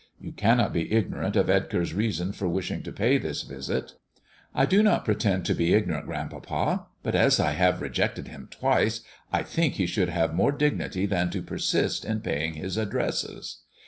You cannot be ignorant of Edgar's reason for wishing to pay this visit." " I do not pretend to be ignorant, grandpapa. But as I have rejected him twice, I think he should have more dignity than to persist in paying his addresses."